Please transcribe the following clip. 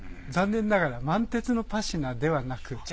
残念ながら満鉄のパシナではなく。